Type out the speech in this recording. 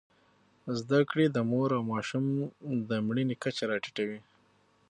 زدهکړې د مور او ماشوم د مړینې کچه راټیټوي.